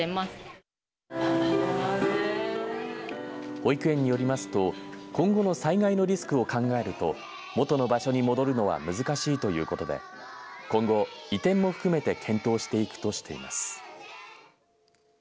保育園によりますと今後の災害のリスクを考えると元の場所に戻るのは難しいということで今後、移転も含めて検討していくとしています。